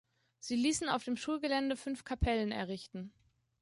Sie ließen auf dem Schulgelände fünf Kapellen errichten.